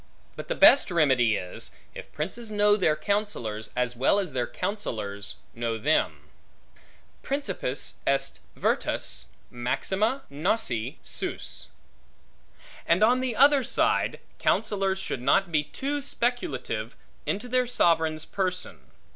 But the best remedy is, if princes know their counsellors, as well as their counsellors know them: Principis est virtus maxima nosse suos. And on the other side, counsellors should not be too speculative into their sovereign's person.